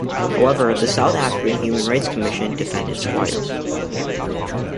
However, the South African Human Rights Commission defended Squires.